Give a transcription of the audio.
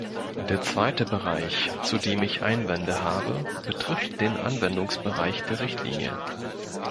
Der zweite Bereich, zu dem ich Einwände habe, betrifft den Anwendungsbereich der Richtlinie.